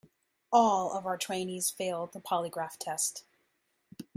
All of our trainees failed the polygraph test.